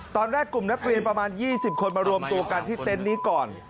ตอนแรกกลุ่มนักเรียนประมาณ๒๐คนมารวมตัวกันที่เต็นต์นี้ก่อน